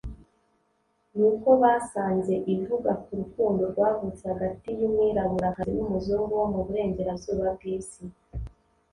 ni uko basanze ivuga ku rukundo rwavutse hagati y’umwiraburakazi n’umuzungu wo mu burengerazuba bw’isi